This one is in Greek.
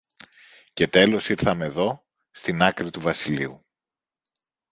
και στο τέλος ήρθαμε δω, στην άκρη του βασιλείου